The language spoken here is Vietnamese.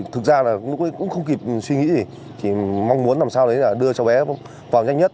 tôi cũng không kịp suy nghĩ thì mong muốn làm sao để đưa cháu bé vào nhanh nhất